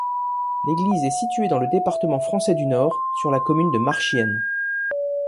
L'église est située dans le département français du Nord, sur la commune de Marchiennes.